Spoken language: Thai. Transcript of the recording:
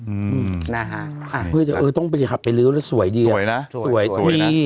อืมนะฮะอ่าต้องไปหับไปลื้อแล้วสวยดีอ่ะสวยนะสวยสวยนะมี